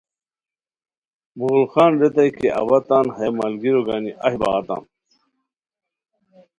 مغل خان ریتائے کی اوا تان ہیہ ملگیریو گانی اہی بغاتام